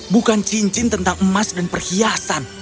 bukan cincin tentang emas dan perhiasan